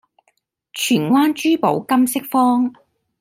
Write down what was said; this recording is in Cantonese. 荃灣珠寶金飾坊